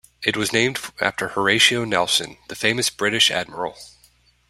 It was named after Horatio Nelson the famous British Admiral.